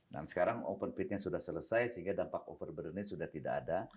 dan sekarang open pit nya sudah selesai sehingga dampak overburden nya sudah tidak ada